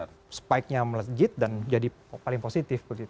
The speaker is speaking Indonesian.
jadi spike nya meledak dan jadi paling positif begitu